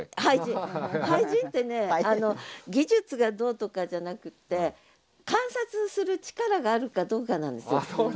俳人ってね技術がどうとかじゃなくって観察する力があるかどうかなんですよ。